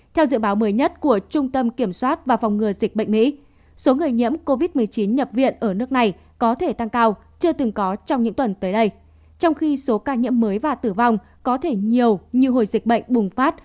theo dự báo mới nhất của trung tâm kiểm soát và phòng ngừa dịch bệnh mỹ số người nhiễm covid một mươi chín nhập viện ở nước này có thể tăng cao chưa từng có trong những tuần tới đây trong khi số ca nhiễm mới và tử vong có thể nhiều như hồi dịch bệnh bùng phát